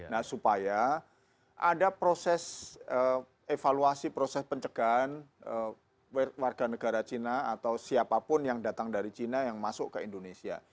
nah supaya ada proses evaluasi proses pencegahan warga negara cina atau siapapun yang datang dari china yang masuk ke indonesia